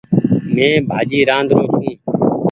مين ڀآڃي رآدرو ڇون ۔